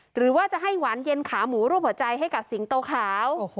หรือว่าจะให้หวานเย็นขาหมูรูปหัวใจให้กับสิงโตขาว